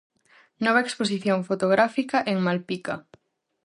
Nova exposición fotográfica en Malpica.